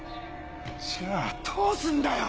じゃあどうすんだよ